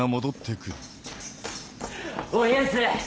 おいエース。